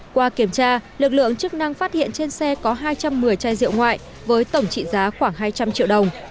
qua kiểm tra lực lượng chức năng phát hiện trên xe có hai trăm một mươi chai rượu ngoại với tổng trị giá khoảng hai trăm linh triệu đồng